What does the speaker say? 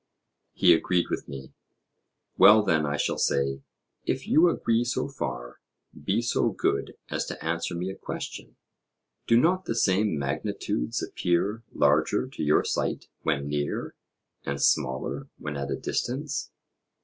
He agreed with me. Well then, I shall say, if you agree so far, be so good as to answer me a question: Do not the same magnitudes appear larger to your sight when near, and smaller when at a distance?